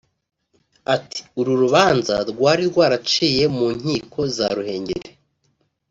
Ati “uru rubanza rwari rwaraciye mu nkiko za Ruhengeri